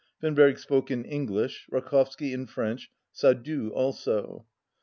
Finberg spoke in English, Rakovsky in French, Sadoul also.